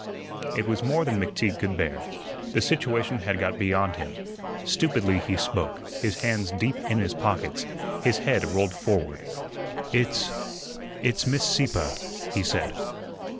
It was more than McTeague could bear. The situation had got beyond him. Stupidly he spoke, his hands deep in his pockets, his head rolled forward. "It's it's Miss Sieppe," he said.